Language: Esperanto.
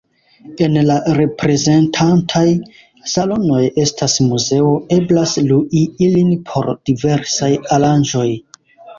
En la reprezentantaj salonoj estas muzeo; eblas lui ilin por diversaj aranĝoj.